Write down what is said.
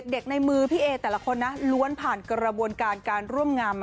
ในมือพี่เอแต่ละคนนะล้วนผ่านกระบวนการการร่วมงาม